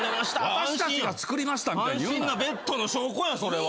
安心なベッドの証拠やんそれは。